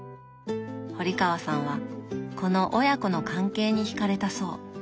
堀川さんはこの親子の関係にひかれたそう。